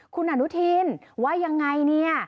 คุณอนุทินว่ายังไงเนี่ย